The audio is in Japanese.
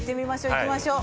いきましょう。